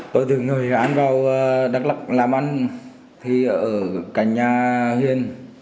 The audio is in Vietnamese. tôi từng ngồi ăn vào đắk lập làm ăn thì ở cả nhà huyện